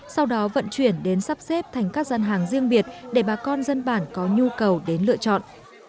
sau đó vận chuyển đến sắp xếp thành các dân hàng riêng biệt để bà con dân bản có nhu cầu đến lựa chọn